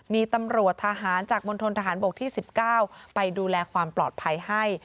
มีตำรวจทหารจากมณฑนทหารบกที่๑๙ไปดูแลความปลอดภัยให้